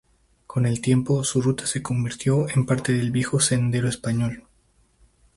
Con el tiempo, su ruta se convirtió en parte del Viejo Sendero Español.